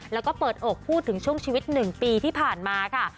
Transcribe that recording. แล้วก็เปิดอกพูดถึงช่วงชีวิต๑ปีที่ผ่านมาค่ะ